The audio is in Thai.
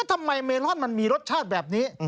ทำไมเมลอนมันมีรสชาติแบบนี้